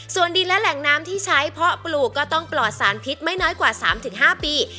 ส่วนดินและแหล่งน้ำที่ใช้เพาะปลูกก็ต้องปลอดสารพิษไม่น้อยกว่า๓๕ปี